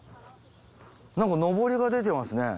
なんかのぼりが出てますね。